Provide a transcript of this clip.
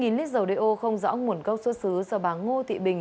hơn hai lít dầu đê ô không rõ nguồn câu xuất xứ do bà ngô thị bình